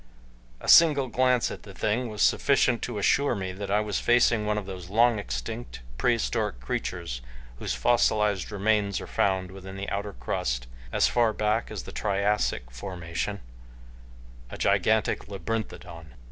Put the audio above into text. A single glance at the thing was sufficient to assure me that I was facing one of those long extinct, prehistoric creatures whose fossilized remains are found within the outer crust as far back as the Triassic formation, a gigantic labyrinthodon.